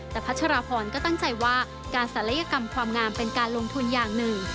แต่พัชรพรก็ตั้งใจว่าการศัลยกรรมความงามเป็นการลงทุนอย่างหนึ่ง